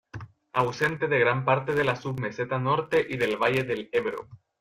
Ausente de gran parte de la submeseta norte y del valle del Ebro.